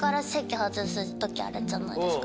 時あるじゃないですか。